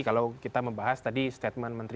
kalau kita membahas tadi statement menteri dalam negeri